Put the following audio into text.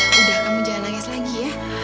sudah kamu jangan nangis lagi ya